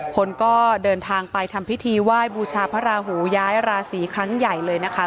คนก็เดินทางไปทำพิธีไหว้บูชาพระราหูย้ายราศีครั้งใหญ่เลยนะคะ